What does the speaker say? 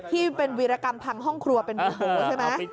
ที่เป็นวิรกรรมทางห้องครัวเป็นวิรกรรมใช่ไหม